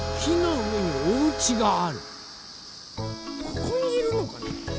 ここにいるのかな？